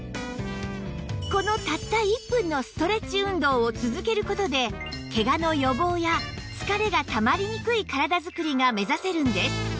このたった１分のストレッチ運動を続ける事でケガの予防や疲れがたまりにくい体づくりが目指せるんです